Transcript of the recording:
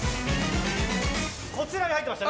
こちらに入ってました。